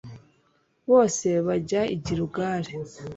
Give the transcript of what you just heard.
bose bajya i giligali